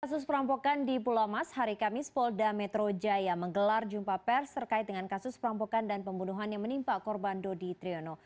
kasus perampokan di pulau mas hari kamis polda metro jaya menggelar jumpa pers terkait dengan kasus perampokan dan pembunuhan yang menimpa korban dodi triono